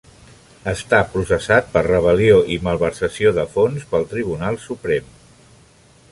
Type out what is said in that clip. Està processat per rebel·lió i malversació de fons pel Tribunal Suprem.